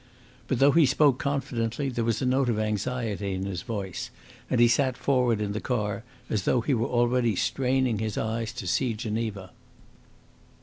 But though he spoke confidently there was a note of anxiety in his voice, and he sat forward in the car, as though he were already straining his eyes to see Geneva.